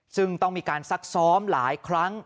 ซึ่งต้องมีการซักซ้อมหลายครั้ง